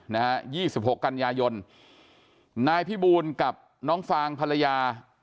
นะฮะ๒๖กันยายนนายพี่บูลกับน้องฟางภรรยาเขาอยู่ในห้อง